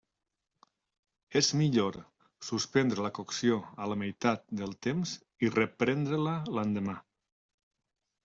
És millor suspendre la cocció a la meitat del temps i reprendre-la l'endemà.